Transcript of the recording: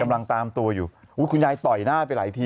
กำลังตามตัวอยู่คุณยายต่อยหน้าไปหลายที